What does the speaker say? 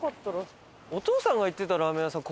お父さんが言ってたラーメン屋さん